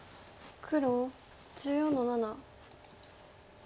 黒１４の七。